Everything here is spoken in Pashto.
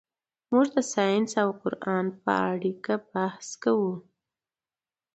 موږ د ساینس او قرآن په اړیکه بحث کوو.